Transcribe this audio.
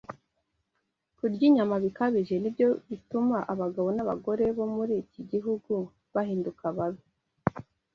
Kurya inyama bikabije nibyo bituma abagabo n’abagore bo muri iki gihugu bahinduka babi